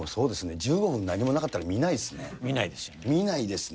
１５分何もなかったら見ないです見ないですよね。